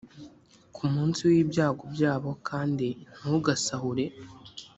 ku munsi w ibyago byabo kandi ntugasahure